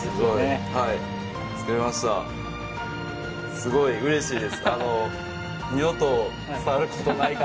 すごいうれしいです。